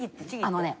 あのね。